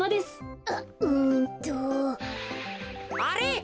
あれ？